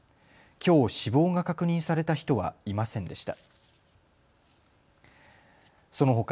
きょう死亡が確認された人はいませんでした。